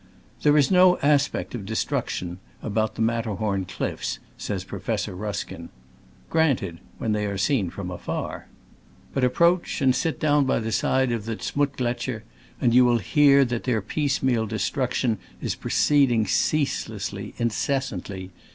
"There is no aspect of destruction about the Matterhorn cliffs," says Pro fessor Ruskin. Granted — when they are seen from afar. But approach and sit down by the side of the Z'muttglet scher, and you will hear that their piece meal destruction is proceeding cease lessly, incessantly.